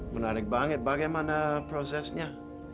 menarik banget bagaimana prosesnya